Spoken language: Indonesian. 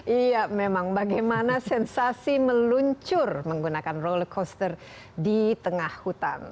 iya memang bagaimana sensasi meluncur menggunakan rollercoaster di tengah hutan